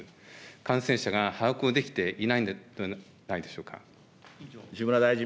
感染者が把握をできていないんではないでしょうか。